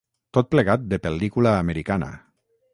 Tot plegat de pel·lícula americana.